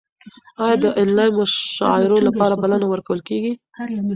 ایا د انلاین مشاعرو لپاره بلنه ورکول کیږي؟